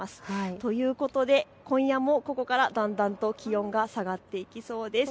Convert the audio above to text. ということで、今夜もここからだんだんと気温が下がっていきそうです。